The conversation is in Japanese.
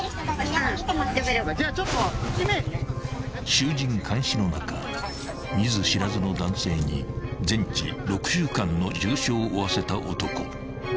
［衆人環視の中見ず知らずの男性に全治６週間の重傷を負わせた男］